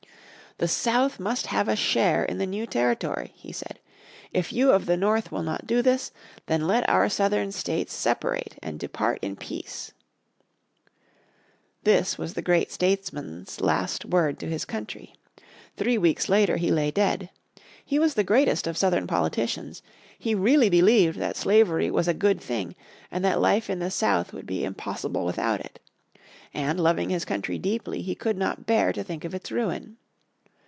"The South must have a share in the new territory," he said. "If you of the North will not do this, then let our Southern States separate and depart in peace." This was the great statesman's last word to his country. Three weeks later he lay dead. He was the greatest of Southern politicians. He really believed that slavery was a good thing, and that life in the South would be impossible without it. And loving his country deeply, he could not bear to think of its ruin.